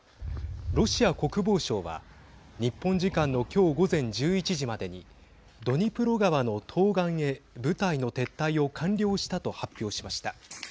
ロシア国防省は日本時間の今日午前１１時までにドニプロ川の東岸へ部隊の撤退を完了したと発表しました。